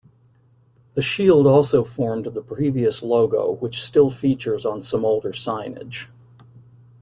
The shield also formed the previous logo which still features on some older signage.